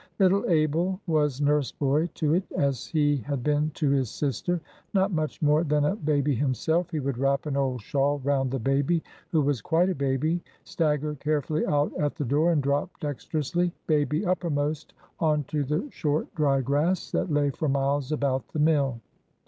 Little Abel was nurse boy to it, as he had been to his sister. Not much more than a baby himself, he would wrap an old shawl round the baby who was quite a baby, stagger carefully out at the door, and drop dexterously—baby uppermost—on to the short, dry grass that lay for miles about the mill.